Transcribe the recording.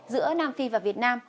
giữa nam phi và việt nam